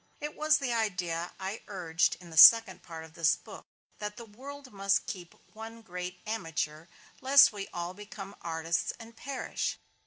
It was the idea I urged in the second part of this book: that the world must keep one great amateur, lest we all become artists and perish.